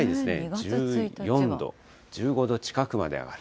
１４度、１５度近くまで上がる。